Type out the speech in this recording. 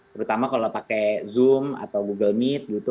terutama kalau pakai zoom atau google meet gitu